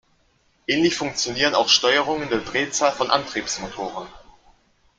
Ähnlich funktionieren auch Steuerungen der Drehzahl von Antriebsmotoren.